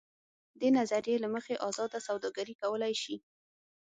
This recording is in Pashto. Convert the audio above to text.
دې نظریې له مخې ازاده سوداګري کولای شي.